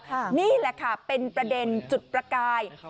นี่แหละค่ะเป็นประเด็นจุดประกาย